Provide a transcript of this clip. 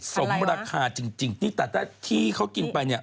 สมราคาจริงนี่แต่ถ้าที่เขากินไปเนี่ย